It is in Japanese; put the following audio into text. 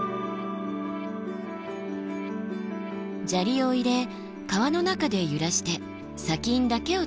砂利を入れ川の中で揺らして砂金だけを取り出します。